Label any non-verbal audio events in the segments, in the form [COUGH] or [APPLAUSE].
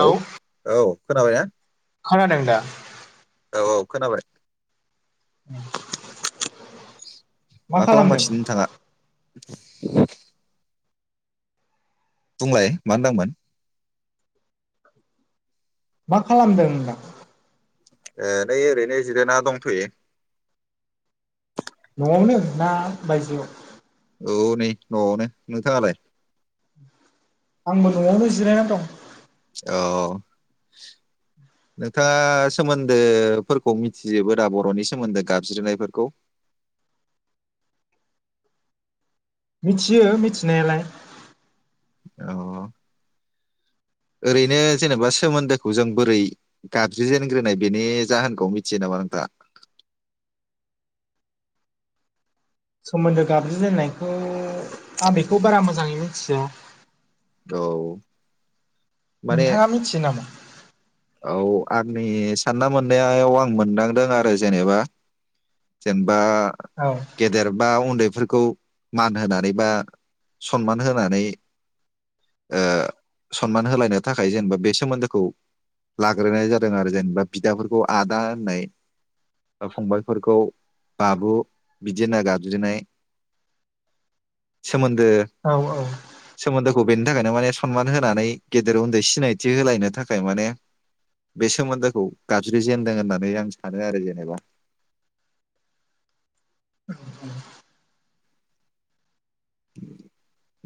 औ औ खोनाबायना? खोनादोंदा? औ औ खोनाबाय । [INAUDIBLE] मा खालामगासिनो नोंथाङा? [INAUDIBLE] बुंलाय मा होन्दोंमोन । मा खालामदों होन्दां? ए नै ओरैनो जिरायना दंथयो। न'आवनो ना बायजोआव? औ नै न'आवनो नोंथाङालाय? आंबो न'आवनो जिरायना दं । औ नोंथाङा सोमोन्दोफोरखौ मिथिजोबो दा बर'नि सोमोन्दो गाबज्रिनायफोरखौ? मिथियो मिथिनायालाय औ ओरैनो जेनेबा सोमोन्दोखौ जों बोरै गाबज्रिजेनग्रोनाय बेनि जाहोनखौ मिथियो नामा नोंथाङा? सोमोन्दो गाबज्रिजेननायखौ आं बेखौ बारा मोजाङै मिथिया। औ माने नोंथाङा मिथियो नामा? औ आंनि सानना मोननायाव आं मोनदांदों आरो जेनेबा जेन बा औ गेदेर बा उन्दै फोरखौ मान होनानै बा सनमान होनानै ओ सनमान होलाय थाखाय जेनेबा बे सोमोन्दोखौ लाग्रोनाय जादों आरो जेनेबा बिदाफोरखौ आदा होननाय बा फंबायफोरखौ बाबु बिदि होनना गाबज्रिनाय सोमोनदो औ सोमोनदो बेनि थाखायनो माने सनमान होनानै गेदेर उन्दै सिनायथि होलायनो थाखाय माने बे सोमोन्दोखौ गाबज्रि जेनदों होननानै आं सानो आरो जेनेबा। औ औ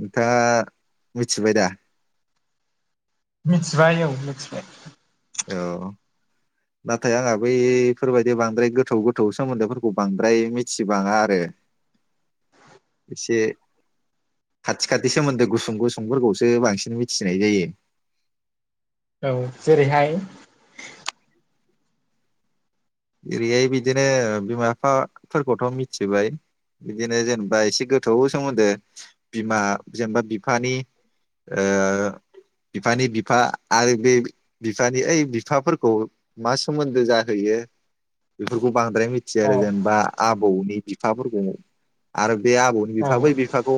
नोंथाङा मिथिबाय दा? मिथिबाय औ मिथिबाय। औ नाथाय आंहा बैफोरबायदि बांद्राय गोथौ गोथौ सोमोन्दोफोरखौ बांद्राय मिथिबाङा आरो एसे खाथि खाथि सोमोन्दो गुसुं गुसुंफोरखौसो बांसिन मिथिनाय जायो। औ जेरैहाय? ओरैहाय बिदिनो बिमा बिफाफोरखौथ' मिथिबाय बिदिनो जेनेबा एसे गोथौ सोमोन्दो बिमा जेनेबा बिफानि ओ बिफानि बिफा आरो बे बिफानि ओइ बिफाफोरखौ मा सोमोन्दो जाहैयो बेफोरखौ बांद्राय मिथिया आरो औ जेनेबा आबौनि बिफाफोरखौ आरो बे आबौनि बिफा बै बिफाखौ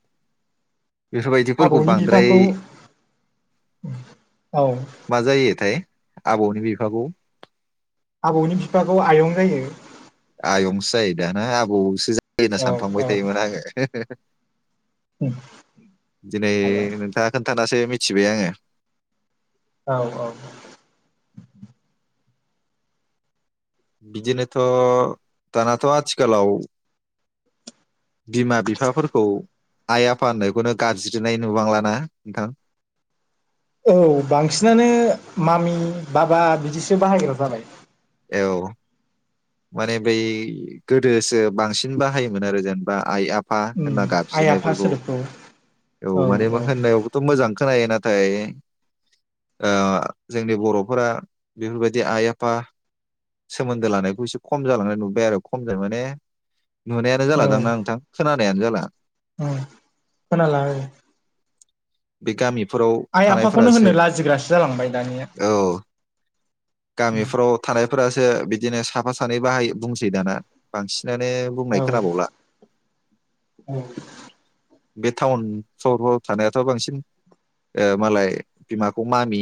[INAUDIBLE] बेफोरबायदिफोरखौ आबौनि बांद्राय बिफाखौ औ मा जायोथाय? आबौनि बिफाखौ आबौनि बिफाखौ आयं जायो। आयंसो जायो दा ना आबौसो जा यो होनना औ औ सानफ्लांबाय थायोमोन आङो। दिनै आयं नोंथाङा खोनथानासो मि थिबाय आङो। औ औ बिदिनोथ' दानाथ' आथिखालाव बिमा बिफाफोरखौ आइ आफा होननायखौनो गाबज्रिनाय नुबांला नोंथां? औ बांसिनानो मामि बाबा बिदिसो बाहायग्रा जाबाय। औ माने बै गोदोसो बांसिन बाहायोमोन आरो जेन बा आइ आ फा उम होनना आइ आफा गाबज्रिनायफोरखौ सोदोबखौ औ माने होननायावबोथ' मोजां खोनायो नाथाय ओ जोंनि बर'फोरा बेफोरबायदि आइ आफा सोमोन्दो लानायखौ एसे खम जालांनाय नुबाय आरो खमजों माने नुनायानो जालादां ना नोंथां खोना नायानो जाला उम खोनाला औ बे गामि आइ आफाखौनो होनो लाजिग्रासो जालांबाय दानिया औ गामिफ्राव थानायफोरासो बिदिनो साफा सानै बाहाय बुंसै दाना बांसिन माने औ बुंनाय खोनाबावला औ बे टाउन सहराव थानायाथ' बांसिन मालाय बिमाखौ मामि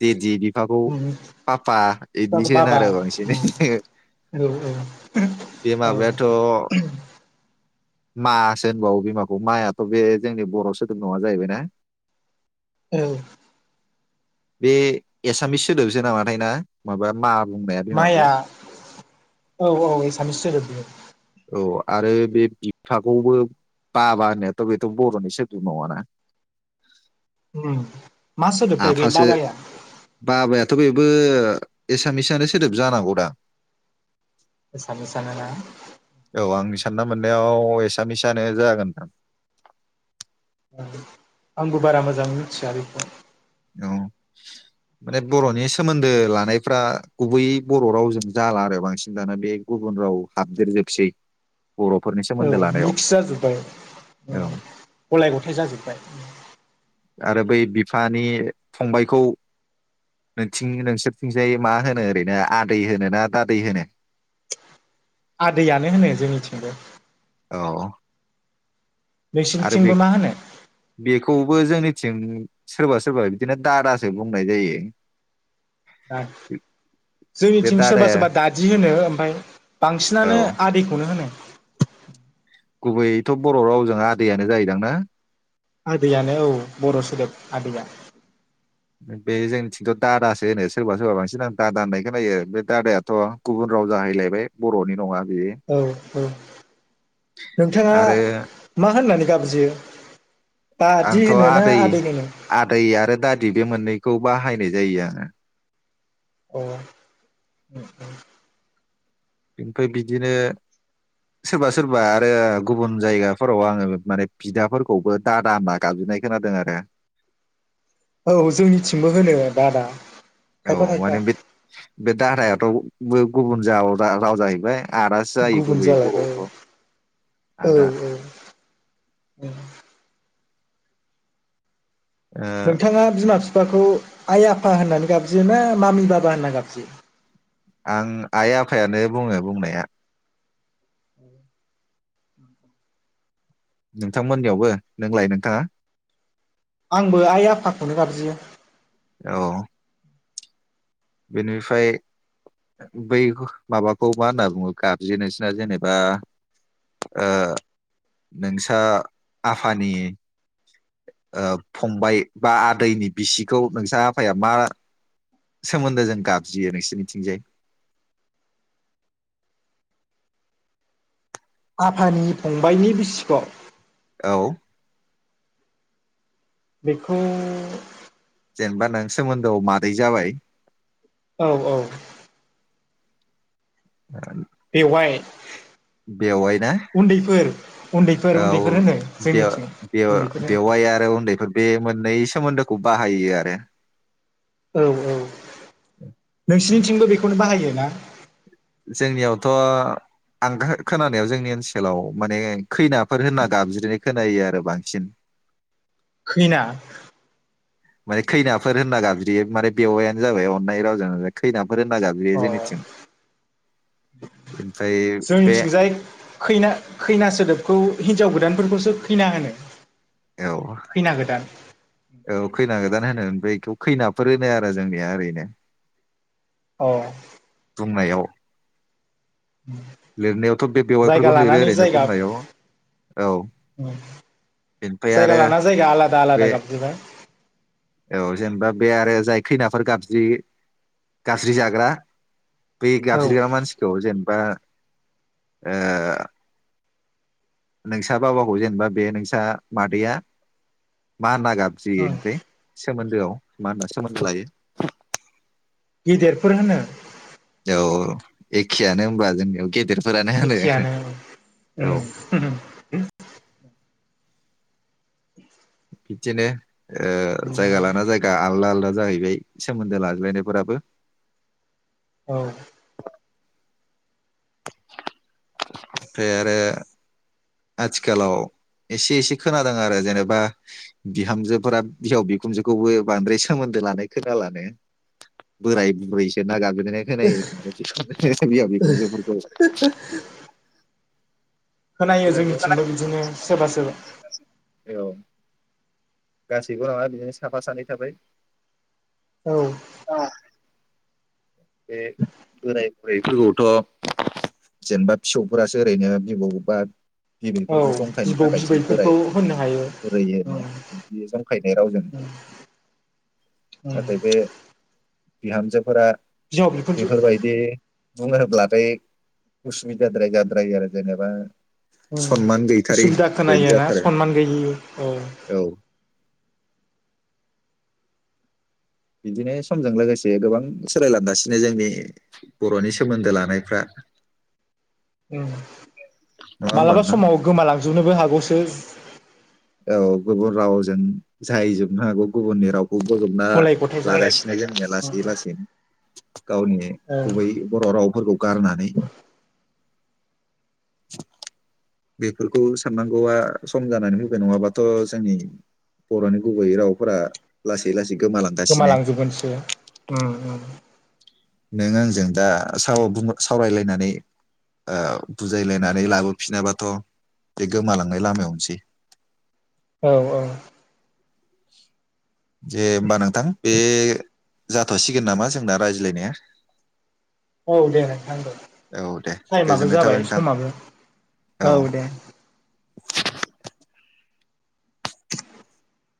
देदि बि फाखौ उम पापा बिफाखौ बिदिसो बाबा होनोआरो बांसिन उम औ बे औ माबायाथ' मा सो होनबावो बिमाखौ मायाथ' बे जोंनि बर' सोदोब नङा जाहैबाय ना? औ बे एसामिस सोदोबसो नामाथाय ना माबा मा बुंनाया बिमाखौ माया औ औ एसामिस सोदोब बेयो। औ आरो बे बिफाखौबो बाबा होननायाथ' बेथ' बर'नि सोदोब नङाना? मा सोदोबथाय बे बाबाया? थ' बेबो एसामिसआनो सोदोब जानांगौ दां? एसामिसानो ना? औ आंनि सानना मोननायाव एसामिसआनो जागोन नोंथां। आंबो बारा मोजां मिथिया बेखौ। औ माने बर'नि सोमोन्दो लानायफ्रा गुबै बर' रावजों जाला आरो बांसिन दाना बे गुबुन राव हाबदेरजोबसै। बर'फोरनि औ सोमोन्दो लानायाव मिक्स जाजोब्बाय ओ औ गलाय गथाय जाजोब्बाय। आरो बै बिफानि फंबायखौ नोंथिं नोंसोरथिंजाय मा होनो ओरैनो आदै होनो ना दादै होनो? आदैयानो होनो जोंनिथिंबो। अह आरो बे नोंसिनिथिंबो मा होनो बेखौबो जोंनि थिं सोरबा सोरबा बिदिनो दादासो बुंनाय जायो। दा बे जोंनिथिं सोरबा दादाया सोरबा दादि होनो ओमफ्राय बांसिनानो औ आदैखौनो होनो। गुबैयैथ' बर' रावजों आदैयानो जायोदांना? आदैयानो औ बर' सोदोब आदैया। बे जोंनिथिंथ' दादासो होनो सोरबा सोरबा बांसिन आं दादा होननायखौ नायो बे दादायाथ' गुबुन राव जाहैलायबाय बर'नि नङा। बेयो औ औ नोंथाङा आरो मा होननानै गाबज्रियो? बादि आंथ' होनो ना आदै होनो? आदै आरो दादि बे मोननैखौ बाहायनाय जायो आङो। अह ओमफ्राय बिदिनो सोरबा सोरबा आरो गुबुन जायगाफोराव आङो माने बिदाफोरखौबो दा दा होनना गाबज्रिनाय खोनादों आरो। औ जोंनिथिंबो होनो दादा। औ खायफा खायफा माने बे बे दादायाथ' बै गुबुन जाव रा राव जाहैबाय। आदासो जायो गुबुन गुबैयै जालायबाय औ बर'आवथ' आदा। उम ओ नोंथाङा बिमा फि फाखौ आइ आफा होननानै गाबज्रियो ना मामि बाबा होनना गाबज्रियो? आं आइ आफायानो बुङो बुंनाया। नोंथांमोननियावबो नोंलाय नोंथाङा? आंबो आइ आफाखौनो गाबज्रियो। औ बेनिफार बै माबाखौ मा होनना बुङो गाबज्रियो नोंसिना जेनेबा ओ नोंसा आफानि ओ फंबाय बा आदैनि बिसिखौ नोंसा आफाया मा सोमोन्दो जों गाबज्रियो नोंसोरनिथिंजाय? आफानि फंबायाइनि बिसिख'? औ बेखौ जेनबा नों सोमोन्दोआव मादै जाबाय। औ औ। [INAUDIBLE] बेवाय। बेवाय ना उन्दैफोर उन्दैफोर औ होनो बेव जोंनिथिं बेव उन्दैफोर होनो बेवाय आरो उन्दैफोर ब बे मोननै सोमोन्दोखौ बाहायो आरो। औ औ नोंसिनिथिंबो बेखौनो बाहायो। ना? जोंनियावथ' आं खो-खोनानायाव जोंनि ओनसोलाव माने खैनाफोर होनना गाबज्रिनाय खोनायो आरो बांसिन। खैना माने खैनाफोर होनना गाबज्रियो माने बेवायानो जाबाय अननाय रावजों खैनाफ अ ओमफ्राय बे जोंनिथिंजाय खैना खैना सोदोबखौ हिनजाव गोदान फोरखौसो खैना होनो। औ खैना गोदान औ खैना गोदान होनो उम। बैखौ खैनाफोर होनो आरो जोंनिया ओरैनो। औ। बुंनायाव उम लिरनायावथ' बे जायगा बेवाइफोरखौनो लिरो लानानै ओरैनो जायगा बुंनायाव औ उम बेनिफ्राय आरो जायगा लाना जायगा आलादा बे आलादा गाबज्रिबाय। औ जेनबा बे आरो जाय खैनाफोर गाबज्रि गाबज्रि जाग्रा बे औ गाबज्रिग्रा मानसिखौ जेनबा ओ नोंसा बाबाखौ जेनबा बे नोंसा मादैया मा होनना गाबज्रियो उम इनफाय? सोमोन्दोआव मा होनना सोमोन्दो लायो। गिदिरफोर होनो। औ एखेयानो होमबा जोंनियाव गेदेरफ एखेयानो औ उम। [INAUDIBLE] बिदिनो ओ उम जायगा लाना जायगा आलादा जाहैबाय सोमोन्दो लाज्लायनायफोराबो । औ [INAUDIBLE] ओमफ्राय आरो आथिखालाव एसे एसे खोनादों आरो जेनेबा बिहामजोफोरा बिहाव बिखुनजोखौबो बांद्राय सोमोन्दो लानाय खोनालानो बोराय बुरैसो ना गाब ज्रिनाय खोनायो माने बियाव बिखुनजोफोरखौ । खोनायो जोंनिथिंबो बिदिनो सोरबा सोरबा । औ गासैबो नङा बिदिनो साफा सानै थाबाय। औ बे बोराइ बुरैफोरखौथ' जेनेबा फिसौफोरासो ओरैनो बिबौ बा औ बिबैफोरखौ जंखायनो बिबौ थाखायसो बिबैफोरखौ बोराइ होननो हायो बुरै होनो उम बिदि जंखायनाय रावजों। उम नाथाय बे बिहामजोफोरा बिहाव बिखुनजो बेफोर बायदि बुङोब्लाथाय उसुबिदाद्राय जाद्रायो आरो जेनेबा औ सनमान गैथारि उसुबिदा बायदि खोनायो ना जाथारो सनमान गैयि औ। बिदिनो समजों लोगोसे गोबां सोलायलांगासिनो जोंनि बर'नि सोमोन्दो लानायफ्रा। औ। नङा होमबा मालाबा नोंथां समाव गोमालांजोबनोबो हागौसो। औ गुबुन रावजों जाहैजोबनो हागौ गुबुननि राव खौ बजबना गलाय गथाय जानानै लागासिनो जोंनिया लासै लासैनो। गावनि औ गुबै बर' रावफोरखौ गारनानै [INAUDIBLE] बेफोरखौ साननांगौआ सम जानानै फैबाय नङाबाथ' जोंनि बर'नि गुबैयै रावफोरा लासै लासै गोमालांगासिनो गोमालांजोबगोनसो ओम ओम। नों आंजों दा साव बुं सावरायलायनानै ओ बुजायलायनानै लाबोफिनाबाथ' बे गोमालांनाय लामायावनोसै। औ औ। जे होमबा नोंथां बे जाथ'सिगोन नामा जोंना रायज्लायनाया। औ दे नोंथांबो औ दे टाइमाबो गोजोननाय थाबाय जाबाय नोंथां समाबो औ दे।